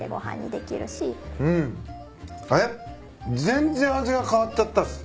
全然味が変わっちゃったっす。